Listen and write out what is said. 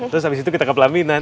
habis itu kita ke pelaminan